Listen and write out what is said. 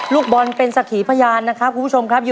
ลูกบอลเป็นสักขีพยานนะครับคุณผู้ชมครับ